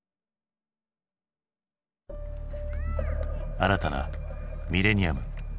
新たなミレニアム。